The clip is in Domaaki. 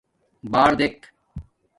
باردیکھ